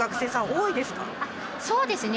そうですね。